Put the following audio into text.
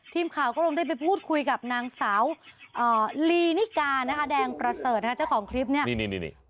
ทีมข่าวก็ลงได้ไปพูดคุยกับนางสาวลีนิกานะคะแดงประเสริฐนะคะเจ้าของคลิปเนี่ยนี่นี่